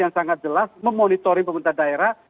yang sangat jelas memonitoring pemerintah daerah